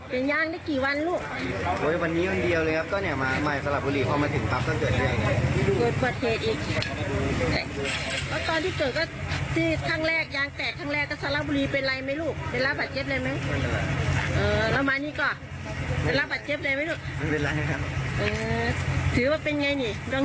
จะรับบาดเจ็บเล็กไหมลูกถือว่าเป็นยังไงนี่ดองเฮนมั้งเนี่ย